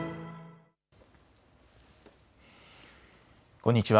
こんにちは。